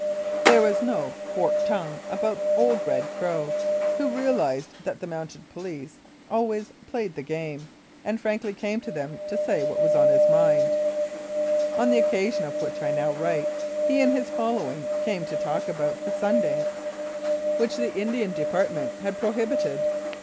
There was no "forked tongue " about old Red Crow, who realised that the Mounted Police always "played the game," and frankly came to them to say what was in his mind. On the occasion of which I now write, he and his following came to talk about the "Sun dance," which 83 Mounted Police Life in Canada the Indian Department had prohibited.